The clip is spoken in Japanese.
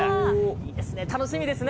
いいですね、楽しみですね。